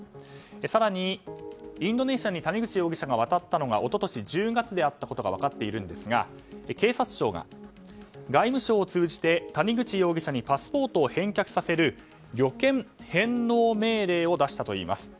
更に、インドネシアに谷口容疑者が渡ったのは一昨年１０月であったことが分かっているんですが警察庁が外務省を通じて谷口容疑者にパスポートを返却させる旅券返納命令を出したといいます。